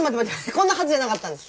こんなはずじゃなかったんです。